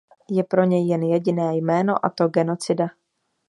Je pro něj jen jediné jméno, a to genocida.